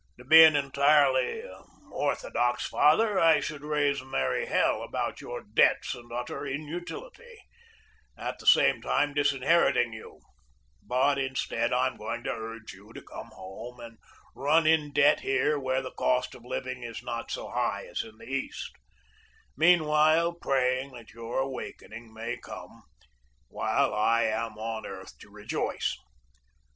To be an entirely orthodox father I should raise merry hell about your debts and utter inutility, at the same time disinheriting you, but instead I am going to urge you to come home and run in debt here where the cost of living is not so high as in the East meanwhile praying that your awakening may come while I am on earth to rejoice.